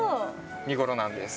見頃なんです。